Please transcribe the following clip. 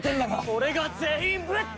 「俺が全員ぶっ倒す！」